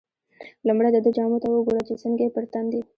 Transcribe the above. لومړی دده جامو ته وګوره چې څنګه یې پر تن دي.